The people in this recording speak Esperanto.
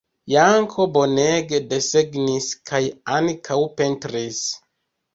Janko bonege desegnis kaj ankaŭ pentris.